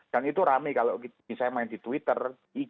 dan itu rame kalau misalnya main di twitter